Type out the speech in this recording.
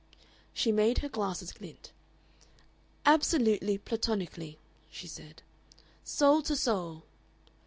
She made her glasses glint. "Absolutely platonically," she said. "Soul to soul."